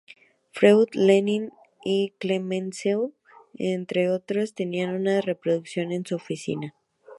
Freud, Lenin y Clemenceau, entre otros, tenían una reproducción en su oficina.